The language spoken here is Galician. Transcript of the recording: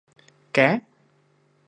–¿Que?